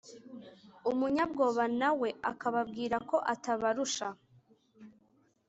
umunyabwoba nawe akababwira ko atabarusha